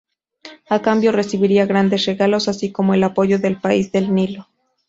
A cambio, recibiría grandes regalos así como el apoyo del país del Nilo.